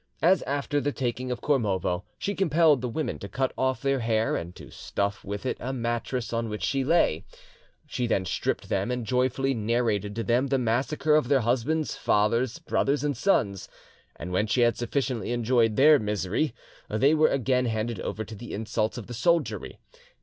As after the taking of Kormovo, she compelled the women to cut off their hair and to stuff with it a mattress on which she lay. She then stripped them, and joyfully narrated to them the massacre of their husbands, fathers, brothers and sons, and when she had sufficiently enjoyed their misery they were again handed over to the insults of the soldiery.